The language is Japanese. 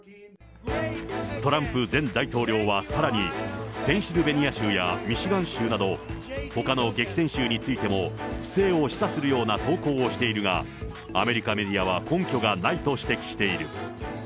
トランプ前大統領はさらに、ペンシルベニア州やミシガン州など、ほかの激戦州についても、不正を示唆するような投稿をしているが、アメリカメディアは根拠がないと指摘している。